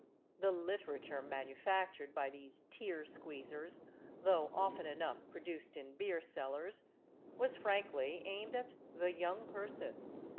The "literature" manufactured by these tear squeezers, though often enough produced in beer cellars, was frankly aimed at the Young Person.